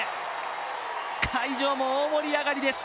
会場も大盛り上がりです。